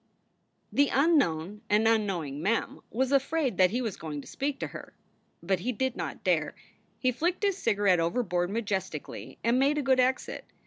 The unknown and unknowing Mem was afraid that he was going to speak to her. But he did not dare. He flicked his cigarette overboard majestically and made a good exit.